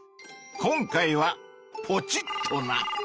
今回はポチッとな！